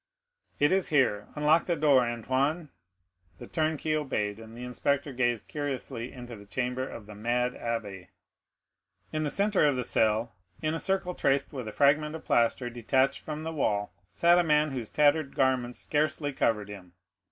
"It is here; unlock the door, Antoine." The turnkey obeyed, and the inspector gazed curiously into the chamber of the mad abbé, as the prisoner was usually called. In the centre of the cell, in a circle traced with a fragment of plaster detached from the wall, sat a man whose tattered garments scarcely covered him.